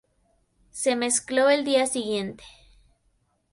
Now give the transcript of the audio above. Se mezcló el día siguiente.